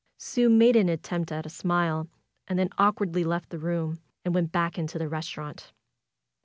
Sue made an attempt at a smile, and then awkwardly left the room, and went back into the restaurant.